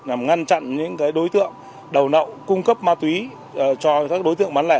làm ngăn chặn những đối tượng đầu nậu cung cấp ma túy cho các đối tượng bán lẻ